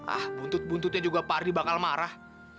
ah buntut buntutnya juga pak ardi bakal marah